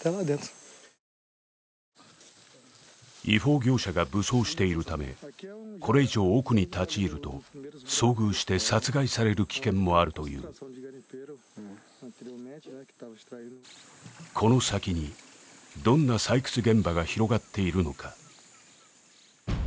違法業者が武装しているためこれ以上奥に立ち入ると遭遇して殺害される危険もあるというこの先にどんな採掘現場が広がっているのか？